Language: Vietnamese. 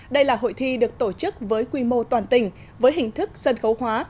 đây là hội thi được tổ chức với quy mô toàn tỉnh với hình thức sân khấu hóa